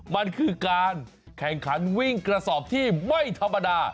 มันคือการแข่งขันวิ่งกระสอบที่ไม่ธรรมดา